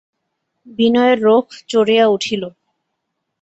বিনয়ের রোখ চড়িয়া উঠিল।